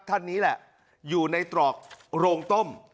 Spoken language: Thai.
ท่านนี้แหละอยู่ในตรอกโรงต้ม